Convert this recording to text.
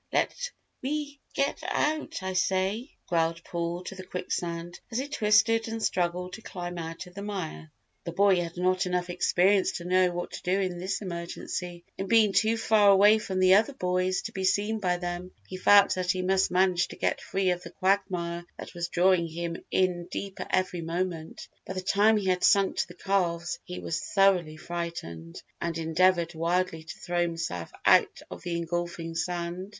Let me get out, I say!" growled Paul to the quicksand, as he twisted and struggled to climb out of the mire. The boy had not enough experience to know what to do in this emergency and being too far away from the other boys to be seen by them, he felt that he must manage to get free of the quagmire that was drawing him in deeper every moment. By the time he had sunk to the calves he was thoroughly frightened and endeavoured wildly to throw himself out of the engulfing sand.